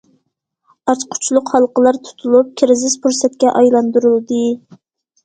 ئاچقۇچلۇق ھالقىلار تۇتۇلۇپ، كىرىزىس پۇرسەتكە ئايلاندۇرۇلدى.